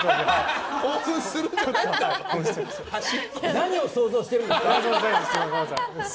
何を想像してるんですか！